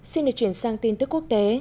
xin được chuyển sang tin tức quốc tế